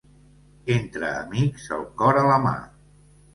Entre amics, el cor a la mà.